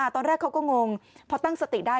ตอนแรกเขาก็งงพอตั้งสติได้